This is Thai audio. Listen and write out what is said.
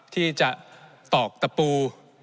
ที่จะตอกตะปู